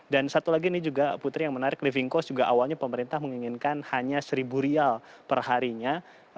dan satu lagi ini juga putri yang menarik living cost juga awalnya pemerintah menginginkan hanya rp satu perharinya